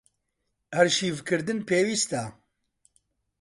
ئەرشیڤکردن پێویستە.